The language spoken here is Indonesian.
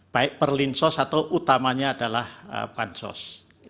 baik perlinsos atau utamanya adalah bansos